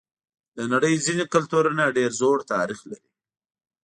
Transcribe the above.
د نړۍ ځینې کلتورونه ډېر زوړ تاریخ لري.